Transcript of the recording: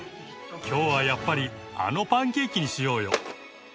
今日はやっぱりあのパンケーキにしようよ。